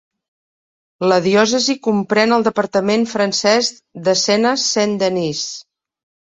La diòcesi comprèn el departament francès de Sena Saint-Denis.